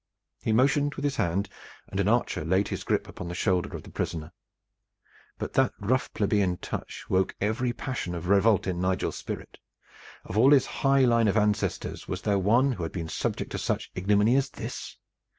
He motioned with his hand, and an archer laid his grip upon the shoulder of the prisoner. But that rough plebeian touch woke every passion of revolt in Nigel's spirit. Of all his high line of ancestors, was there one who had been subjected to such ignominy as this?